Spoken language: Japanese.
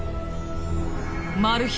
マル秘